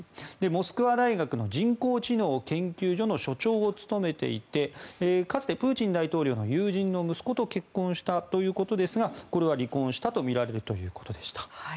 モスクワ大学の人工知能研究所の所長を務めていてかつてプーチン大統領の友人の息子と結婚したということですがこれは離婚したとみられるということでした。